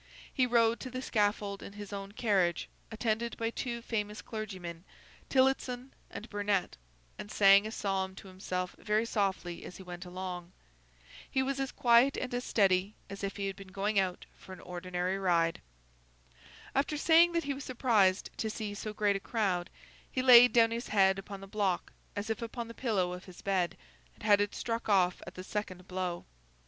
He rode to the scaffold in his own carriage, attended by two famous clergymen, Tillotson and Burnet, and sang a psalm to himself very softly, as he went along. He was as quiet and as steady as if he had been going out for an ordinary ride. After saying that he was surprised to see so great a crowd, he laid down his head upon the block, as if upon the pillow of his bed, and had it struck off at the second blow.